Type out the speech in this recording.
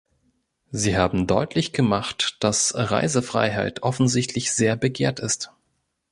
Sie haben deutlich gemacht, dass Reisefreiheit offensichtlich sehr begehrt ist.